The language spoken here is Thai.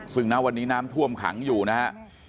ซึ่งน่าว่านนน้ำถ้วมขังอยู่นะอ่ะ